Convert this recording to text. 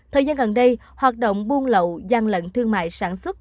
thời gian gần đây hoạt động buôn lậu gian lận thương mại sản xuất